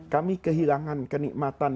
kami kehilangan kenikmatan